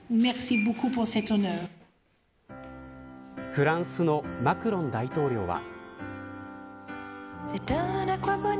フランスのマクロン大統領は。